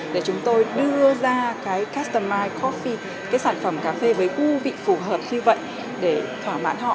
để chúng tôi đưa ra cái customized coffee cái sản phẩm cà phê với ngu vị phù hợp như vậy để thỏa mãn họ